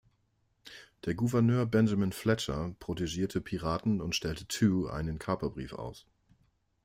Der Gouverneur Benjamin Fletcher protegierte Piraten und stellte Tew einen Kaperbrief aus.